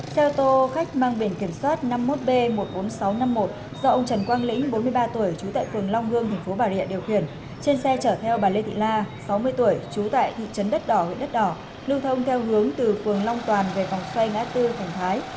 xe ô tô khách mang biển kiểm soát năm mươi một b một mươi bốn nghìn sáu trăm năm mươi một do ông trần quang lĩnh bốn mươi ba tuổi trú tại phường long hương thành phố bà rịa điều khiển trên xe chở theo bà lê thị la sáu mươi tuổi trú tại thị trấn đất đỏ huyện đất đỏ lưu thông theo hướng từ phường long toàn về vòng xoay ngã tư thành thái